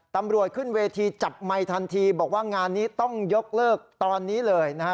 ตำรวจขึ้นเวทีจับไมค์ทันทีบอกว่างานนี้ต้องยกเลิกตอนนี้เลยนะฮะ